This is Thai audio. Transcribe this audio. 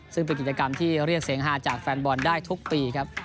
ซึ่งเป็นกิจกรรมที่เรียกเสียงฮาจากแฟนบอลได้ทุกปีครับ